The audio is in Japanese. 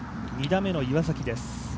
２打目の岩崎です。